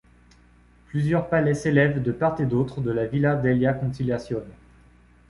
Plusieurs palais s'élèvent de part et d'autre de la via della Conciliazione.